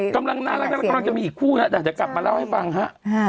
กำลังจะมีอีกคู่นะแต่เดี๋ยวกลับมาเล่าให้ฟังฮะ